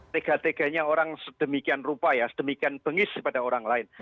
tega teganya orang sedemikian rupa ya sedemikian bengis kepada orang lain